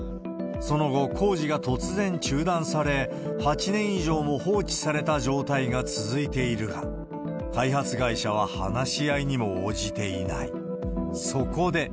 その後、工事が突然中断され、８年以上も放置された状態が続いているが、開発会社は話し合いにも応じていない。